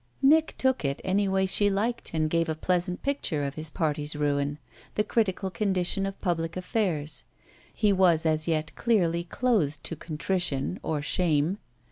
Nick took it any way she liked and gave a pleasant picture of his party's ruin, the critical condition of public affairs: he was as yet clearly closed to contrition or shame.